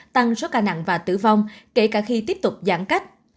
tăng số ca nặng và tử vong kể cả khi tiếp tục giãn cách